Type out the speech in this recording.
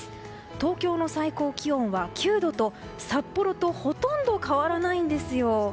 東京の最高気温は９度と札幌とほとんど変わらないんですよ。